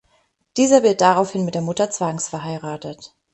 Dieser wird daraufhin mit der Mutter zwangsverheiratet.